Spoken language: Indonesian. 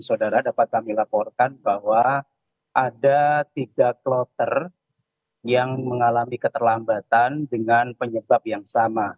saudara dapat kami laporkan bahwa ada tiga kloter yang mengalami keterlambatan dengan penyebab yang sama